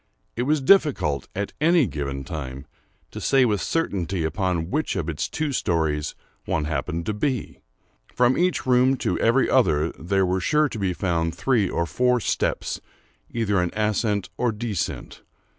It was difficult, at any given time, to say with certainty upon which of its two stories one happened to be. From each room to every other there were sure to be found three or four steps either in ascent or descent.